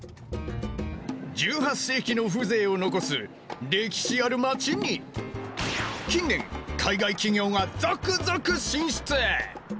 １８世紀の風情を残す歴史ある町に近年海外企業が続々進出！